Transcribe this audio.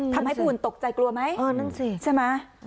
ทำให้ผู้หุ่นตกใจกลัวไหมใช่ไหม